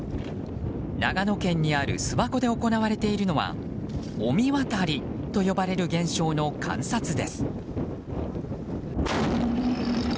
長野県にある諏訪湖で行われているのは御神渡りと呼ばれる現象の観察です。